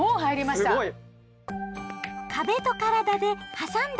すごい。